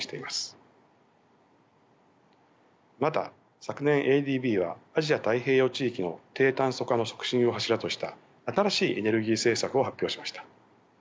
また昨年ＡＤＢはアジア・太平洋地域の低炭素化の促進を柱とした新しいエネルギー政策を発表しました。